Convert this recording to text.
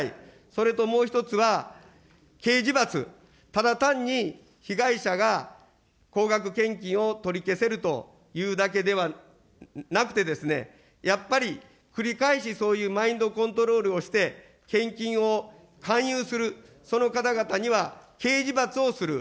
それともう１つは、刑事罰、ただ単に、被害者が高額献金を取り消せるというだけではなくてですね、やっぱり繰り返しそういうマインドコントロールをして、献金を勧誘する、その方々には、刑事罰をする。